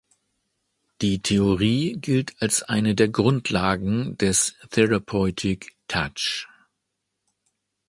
Die Theorie gilt als eine der Grundlagen des Therapeutic Touch.